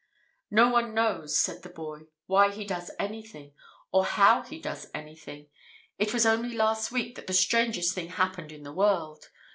"No one knows," said the boy, "why he does anything, or how he does anything. It was only last week that the strangest thing happened in the world.